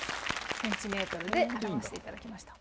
ｃｍで表していただきました。